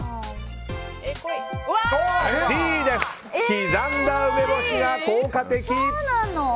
刻んだ梅干しが効果的！